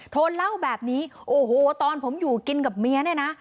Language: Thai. ทนเล่าแบบนี้โอ้โหตอนผมอยู่กินกับเมียเนี่ยนะ